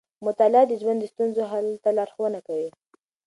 مطالعه د ژوند د ستونزو حل ته لارښونه کوي.